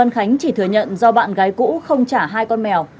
khánh chỉ thừa nhận do bạn gái cũ không trả hai con mèo